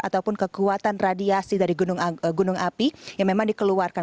ataupun kekuatan radiasi dari gunung api yang memang dikeluarkan